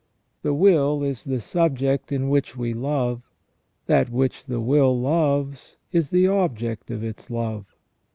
The will is the subject in which we love, that which the will loves is the object of its love.